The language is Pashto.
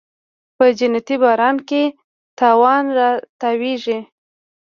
په جنتي باران کې تاو راتاویږې